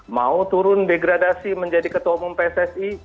mau turun degradasi menjadi ketua umum pssi